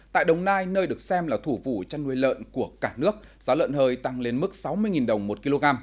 tại đồng nai nơi được xem là thủ vụ chăn nuôi lợn của cả nước giá lợn hơi tăng lên mức sáu mươi đồng một kg